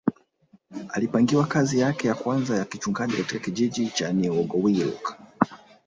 alipangiwa kazi yake ya kwanza ya kichungaji katika kijiji cha niegowiic